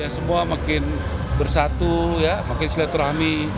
semua makin bersatu makin silaturahmi